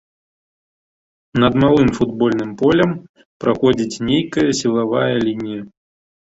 Над малым футбольным полем праходзіць нейкая сілавая лінія.